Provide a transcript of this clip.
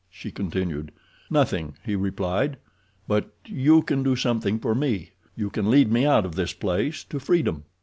she continued. "Nothing," he replied, "but you can do something for me—you can lead me out of this place to freedom."